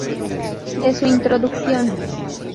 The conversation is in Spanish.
De su introducción.